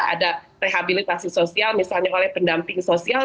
ada rehabilitasi sosial misalnya oleh pendamping sosial